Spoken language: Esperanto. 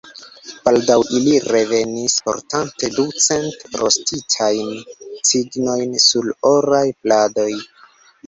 Baldaŭ ili revenis, portante du cent rostitajn cignojn sur oraj pladoj.